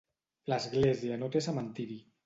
L'església no té cementiri.